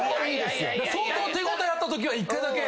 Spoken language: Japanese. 相当手応えあったときは１回だけ。